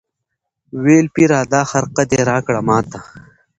ویل پیره دا خرقه دي راکړه ماته